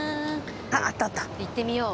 行ってみよう。